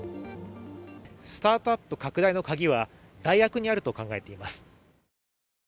スタートアップ拡大のカギは、大学にあると考えています。